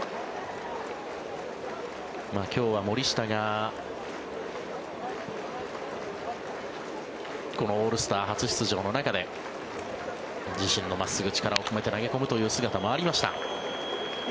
今日は森下がこのオールスター初出場の中で自身の真っすぐ力を込めて投げ込むという姿もありました。